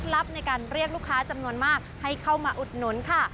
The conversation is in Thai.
ในการเรียกลูกค้าจำนวนมากให้เข้ามาอุดหนุนค่ะ